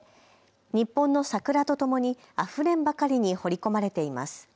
日本のサクラとともにあふれんばかりに彫り込まれています。